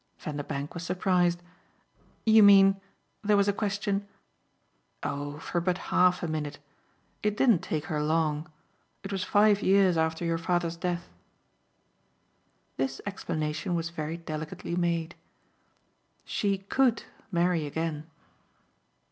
Vanderbank was surprised. "You mean there was a question ?" "Oh for but half a minute! It didn't take her long. It was five years after your father's death." This explanation was very delicately made. "She COULD marry again."